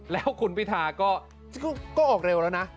แล้วคุณพิธาก็ออกเร็วแล้วนะ